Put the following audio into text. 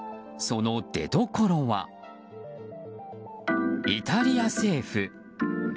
その出どころは、イタリア政府。